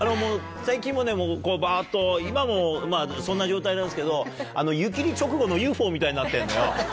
最近バっと今もそんな状態なんですけど湯切り直後の「Ｕ．Ｆ．Ｏ．」みたいになってんのよ。